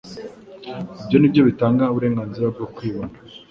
Ibyo ni byo bitanga uburenganzira bwo kwibona